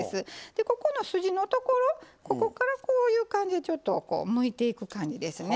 でここの筋のところここからこういう感じでちょっとこうむいていく感じですね。